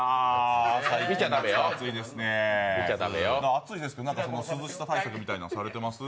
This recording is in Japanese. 暑いですけど涼しさ対策みたいのされてます？